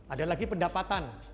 ada lagi pendapatan